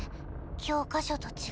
教科書と違う。